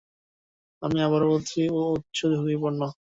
আমি আবারও বলছি, উচ্চ ঝুকিপূর্ণ!